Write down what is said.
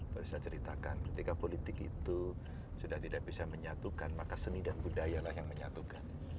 baru saya ceritakan ketika politik itu sudah tidak bisa menyatukan maka seni dan budayalah yang menyatukan